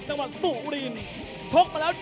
สวัสดีครับ